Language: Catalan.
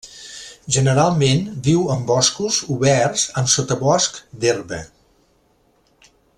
Generalment viu en boscos oberts amb sotabosc d'herba.